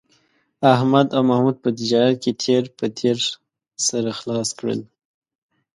احمد او محمود په تجارت کې تېر په تېر سره خلاص کړل